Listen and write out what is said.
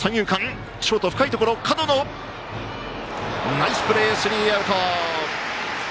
ナイスプレー、スリーアウト。